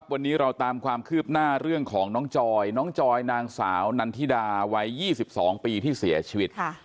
วันนี้เราตามความคืบหน้าเรื่องของน้องจอยน้องจอยนางสาวนันทิดาวัย๒๒ปีที่เสียชีวิต